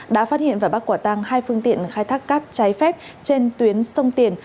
đã phát hiện và bắt quả tăng hai phương tiện khai thác cát trái phép trên tuyến sông tiền